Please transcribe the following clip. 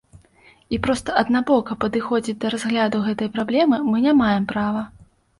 І проста аднабока падыходзіць да разгляду гэтай праблемы мы не маем права.